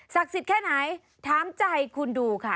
สิทธิ์แค่ไหนถามใจคุณดูค่ะ